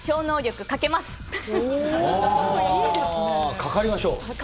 かかりましょう。